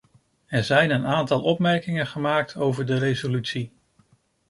Er zijn een aantal opmerkingen gemaakt over de resolutie.